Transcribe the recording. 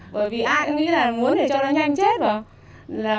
bởi vì ai cũng nghĩ là muốn để cho nó nhanh chết rồi